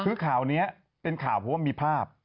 คือข่าวนี้เป็นข่าวเพราะว่ามีภาพ